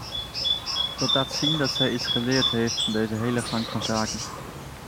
Dat laat zien dat zij iets geleerd heeft van deze hele gang van zaken.